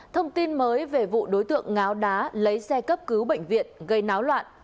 thông tin mới về vụ đối tượng ngáo đá lấy xe cấp cứu bệnh viện gây náo loạn